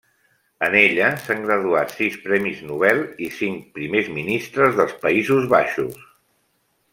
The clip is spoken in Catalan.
En ella s'han graduat sis premis Nobel i cinc primers ministres dels Països Baixos.